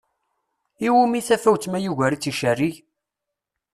Iwumi tafawett ma yugar-itt icerrig?